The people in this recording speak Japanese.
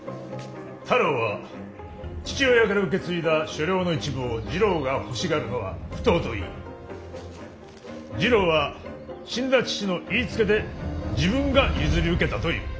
太郎は父親から受け継いだ所領の一部を次郎が欲しがるのは不当と言い次郎は死んだ父の言いつけで自分が譲り受けたと言う。